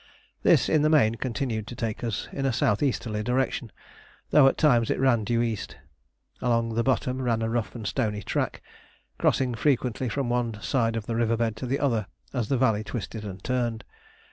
This in the main continued to take us in a south easterly direction, though at times it ran due east. Along the bottom ran a rough and stony track, crossing frequently from one side of the river bed to the other as the valley twisted and turned.